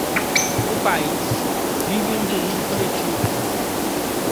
O país vive um delírio coletivo